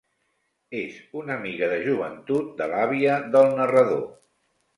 És una amiga de joventut de l'àvia del narrador.